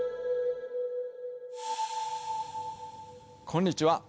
こんにちは。